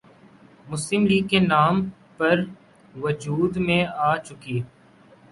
مسلم لیگ کے نام پر وجود میں آ چکی